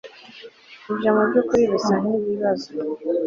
Ibyo mubyukuri bisa nkikibazo